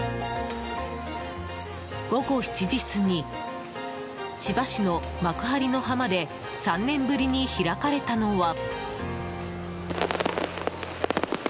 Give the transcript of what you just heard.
午後７時過ぎ千葉市の幕張の浜で３年ぶりに開かれたのは。